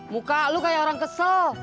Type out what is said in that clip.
muka lu kayak orang kesel